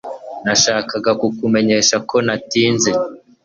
nashakaga kukumenyesha ko natinze